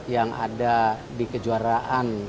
yang ada di kejuaraan